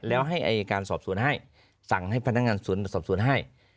แล้วให้อายการสอบสวนให้สั่งให้พนักงานสอบสวนสอบสวนให้